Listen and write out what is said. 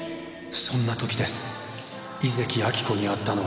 「そんな時です井関亜木子に会ったのは」